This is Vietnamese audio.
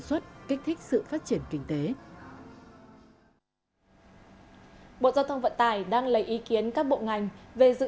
xuất kích thích sự phát triển kinh tế bộ giao thông vận tải đang lấy ý kiến các bộ ngành về dự